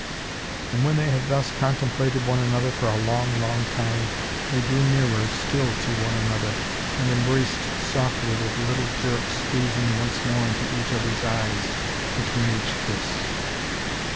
And when they had thus contemplated one another for a long, long time, they drew nearer still to one another, and embraced softly with little jerks, gazing once more into each other's eyes between each kiss.